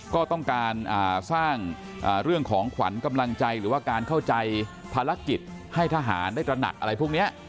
ก็ต้องการสร้างเรื่องของขวัญกำลังใจหรือว่าการเข้าใจภารกิจให้ทหารได้ตระหนักอะไรพวกนี้